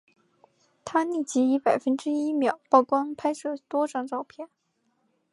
他立即以百分之一秒曝光拍摄多张照片。